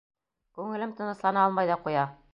Күңелем тыныслана алмай ҙа ҡуя..